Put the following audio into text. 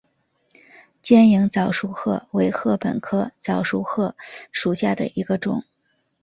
尖颖早熟禾为禾本科早熟禾属下的一个种。